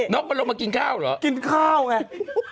กมันลงมากินข้าวเหรอกินข้าวไง